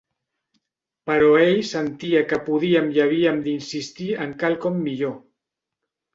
Però ell sentia que podíem i havíem d'insistir en quelcom millor.